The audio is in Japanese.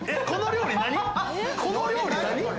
この料理、何。